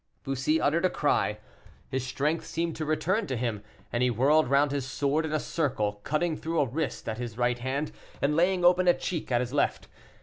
Bussy uttered a cry. His strength seemed to return to him, and he whirled round his sword in a circle, cutting through a wrist at his right hand, and laying open a cheek at his left.